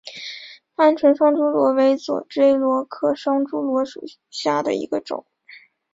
鹌鹑双珠螺为左锥螺科双珠螺属下的一个种。